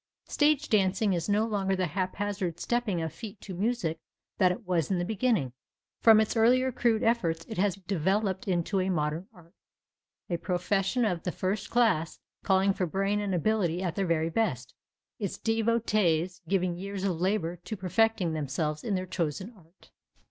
Stage dancing is no longer the haphazard stepping of feet to music that it was in the beginning. From its earlier crude efforts it has developed into a modern art, a profession of the first class, calling for brain and ability at their very best, its devotees giving years of labor to perfecting themselves in their chosen art.